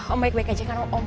om baik baik aja kan om